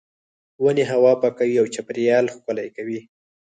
ونې هوا پاکوي او چاپیریال ښکلی کوي.